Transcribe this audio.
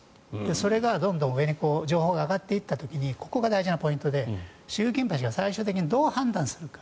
それがどんどん上に情報が上がっていった時にここが大事なポイントで習近平氏が最終的にどう判断するか。